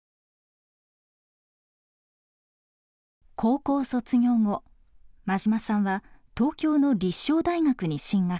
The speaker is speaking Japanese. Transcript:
高校卒業後馬島さんは東京の立正大学に進学。